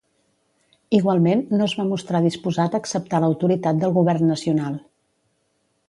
Igualment, no es va mostrar disposat acceptar l'autoritat del Govern Nacional.